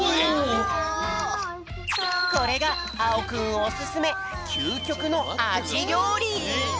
すごい！これがあおくんおすすめきゅうきょくのアジりょうり！